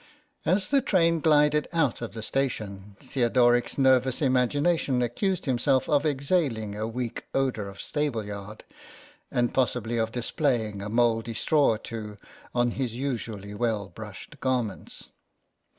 As the train glided out of the station Theodoric's nervous imagination accused himself of exhaling a weak odour of stable yard, and possibly of displaying a mouldy straw or two on his usually well brushed garments.